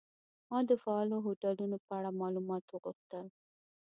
ما د فعالو هوټلونو په اړه معلومات وغوښتل.